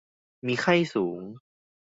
มีไข้สูง